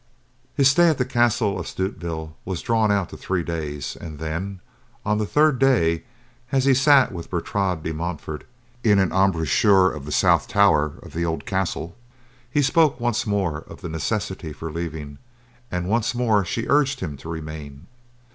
His stay at the castle of Stutevill was drawn out to three days, and then, on the third day, as he sat with Bertrade de Montfort in an embrasure of the south tower of the old castle, he spoke once more of the necessity for leaving and once more she urged him to remain.